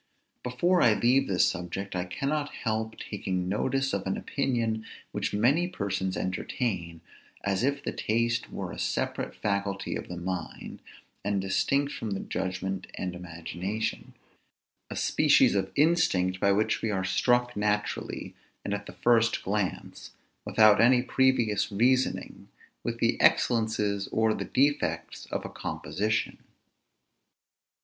Before I leave this subject, I cannot help taking notice of an opinion which many persons entertain, as if the taste were a separate faculty of the mind, and distinct from the judgment and imagination; a species of instinct, by which we are struck naturally, and at the first glance, without any previous reasoning, with the excellences or the defects of a composition.